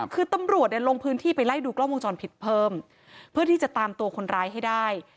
คือตำรวจเนี่ยลงพื้นที่ไปไล่ดูกล้องวงจรปิดเพิ่มเพื่อที่จะตามตัวคนร้ายให้ได้